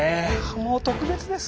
もう特別です。